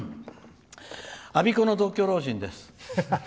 「我孫子の独居老人です。